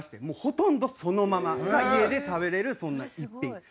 もうほとんどそのままが家で食べれるそんな一品。